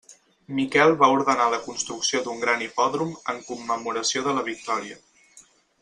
Miquel va ordenar la construcció d'un gran hipòdrom en commemoració de la victòria.